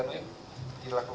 silahkan ya mas agus